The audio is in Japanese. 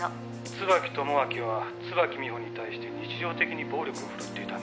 「椿友章は椿美穂に対して日常的に暴力をふるっていたんですか」